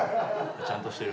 ちゃんとしてる？